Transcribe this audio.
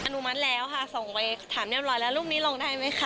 อนุมัติแล้วค่ะส่งไว้ถามเรียบร้อยแล้วรูปนี้ลงได้ไหมคะ